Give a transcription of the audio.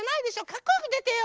かっこよくでてよ。